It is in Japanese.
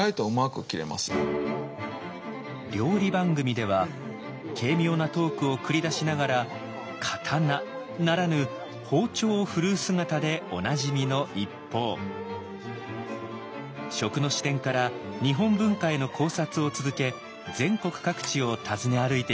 料理番組では軽妙なトークを繰り出しながら刀ならぬ包丁を振るう姿でおなじみの一方食の視点から日本文化への考察を続け全国各地を訪ね歩いています。